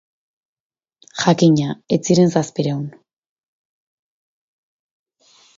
Jakina, ez ziren zazpiehun.